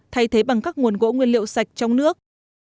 thay thế bằng các nguồn gỗ nguyên liệu sạch trong nước